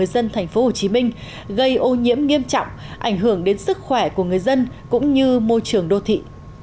hội đồng nhân dân tp hcm gây ô nhiễm nghiêm trọng ảnh hưởng đến sức khỏe của người dân cũng như môi trường đô thị